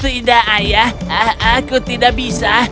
tidak ayah aku tidak bisa